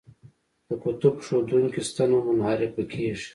د قطب ښودونکې ستنه منحرفه کیږي.